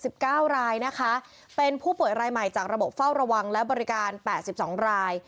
สิบเก้ารายนะคะเป็นผู้ป่วยรายใหม่จากระบบเฝ้าระวังและบริการแปดสิบสองราย